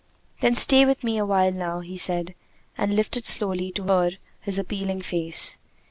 "Then stay with me a while now," he said, and lifted slowly to her his appealing face.